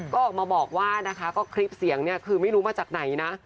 ก็ออกมาบอกว่านะคะก็คลิปเสียงเนี่ยคือไม่รู้มาจากไหนนะ